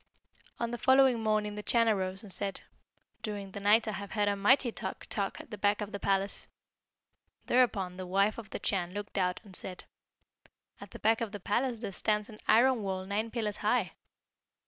"On the following morning the Chan arose, and said, 'During the night I have heard a mighty tock, tock at the back of the palace.' Thereupon the wife of the Chan looked out, and said, 'At the back of the palace there stands an iron wall nine pillars high.'